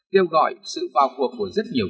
tiêu gọi sự vào cuộc của rất nhiều